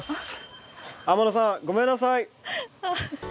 天野さんごめんなさい！